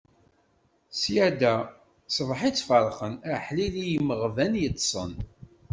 Ṣṣyada, ṣbaḥ i tt-ferqen; aḥlil i yimeɣban yeṭṭsen.